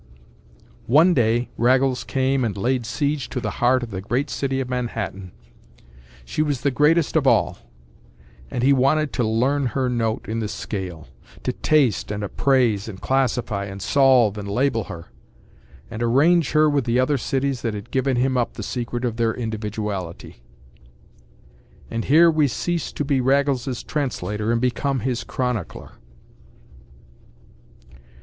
One day Raggles came and laid siege to the heart of the great city of Manhattan. She was the greatest of all; and he wanted to learn her note in the scale; to taste and appraise and classify and solve and label her and arrange her with the other cities that had given him up the secret of their individuality. And here we cease to be Raggles’s translator and become his chronicler.